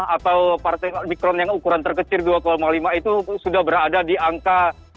atau partai omikron yang ukuran terkecil dua lima itu sudah berada di angka